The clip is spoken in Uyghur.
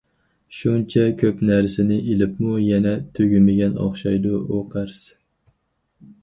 شۇنچە كۆپ نەرسىنى ئېلىپمۇ يەنە تۈگىمىگەن ئوخشايدۇ ئۇ قەرز.